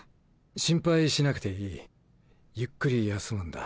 心配しなくていいゆっくり休むんだ。